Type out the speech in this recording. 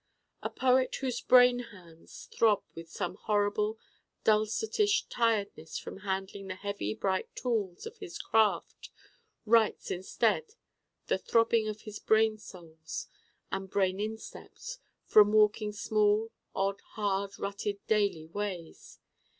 A poet whose brain hands throb with some horrible dulcet ish tiredness from handling the heavy bright tools of his craft writes instead the throbbing of his brain soles and brain insteps from walking small odd hard rutted daily ways.